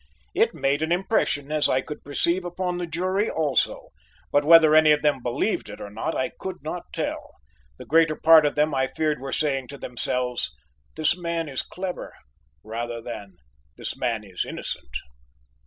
It made an impression, as I could perceive, upon the jury also, but whether any of them believed it or not, I could not tell. The greater part of them I feared were saying to themselves "This man is clever" rather than "This man is innocent."